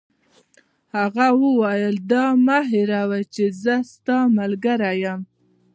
هغه وویل: دا مه هیروئ چي زه ستا ملګری یم.